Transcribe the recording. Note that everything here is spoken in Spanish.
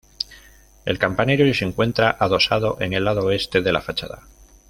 El campanario se encuentra adosado en el lado oeste de la fachada.